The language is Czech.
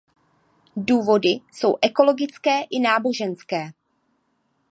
Důvody jsou ekologické i náboženské.